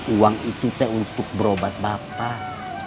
uang itu teh untuk berobat bapak